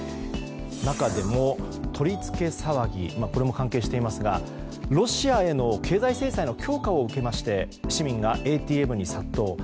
中でも取り付け騒ぎこれも関係していますがロシアへの経済制裁の強化を受けまして市民がＡＴＭに殺到。